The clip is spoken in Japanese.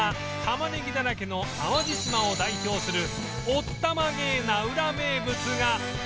たまねぎだらけの淡路島を代表するおったまげなウラ名物が